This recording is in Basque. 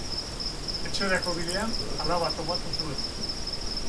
Etxerako bidean alaba topatu zuen.